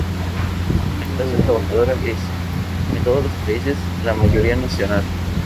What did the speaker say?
La clase trabajadora es, en todos los países, la mayoría nacional.